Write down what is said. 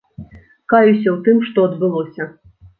Каюся ў тым, што адбылося.